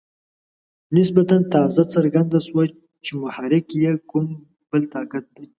نسبتاً تازه څرګنده شوه چې محرک یې کوم بل طاقت دی.